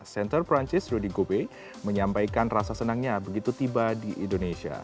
center perancis rudy gobe menyampaikan rasa senangnya begitu tiba di indonesia